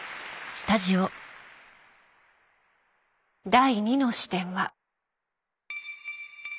第２の視点は。